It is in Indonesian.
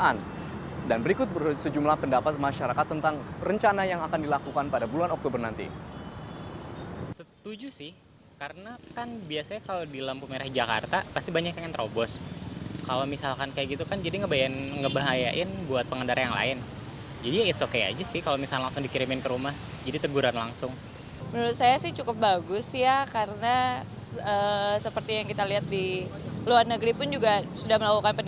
ini adalah penyelidikan dari pihak kepolisian yang telah melakukan penyelidikan